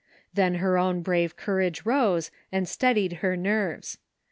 Then her own brave courage rose and steadied her nerves.